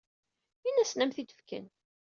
Ini-asen ad am-tent-id-fken.